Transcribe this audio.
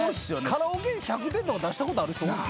カラオケで１００点とか出したことある人おる？